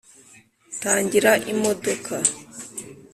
tangira imodoka.